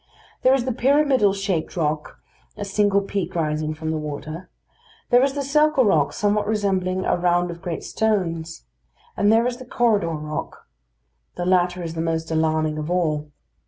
There is the pyramidal shaped rock, a single peak rising from the water; there is the circle rock somewhat resembling a round of great stones; and there is the corridor rock. The latter is the most alarming of all.